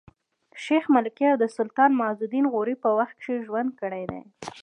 شېخ ملکیار د سلطان معز الدین غوري په وخت کښي ژوند کړی دﺉ.